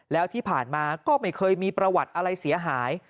แล้วที่ผ่านมาก็ไม่เคยมีประวัติอะไรเสียหาย